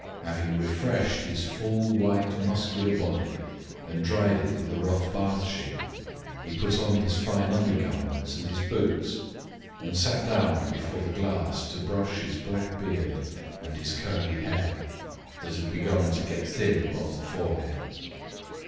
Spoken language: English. Having refreshed his full, white, muscular body, and dried it with a rough bath sheet, he put on his fine undergarments and his boots, and sat down before the glass to brush his black beard and his curly hair, that had begun to get thin above the forehead.